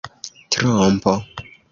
trompo